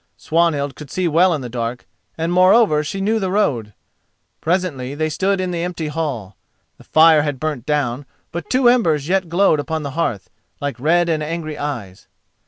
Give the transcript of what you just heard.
Swanhild could see well in the dark, and moreover she knew the road. Presently they stood in the empty hall. The fire had burnt down, but two embers yet glowed upon the hearth, like red and angry eyes.